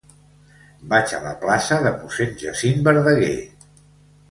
Vaig a la plaça de Mossèn Jacint Verdaguer.